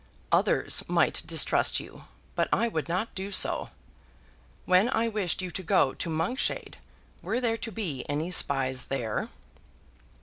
Others might distrust you, but I would not do so. When I wished you to go to Monkshade, were there to be any spies there?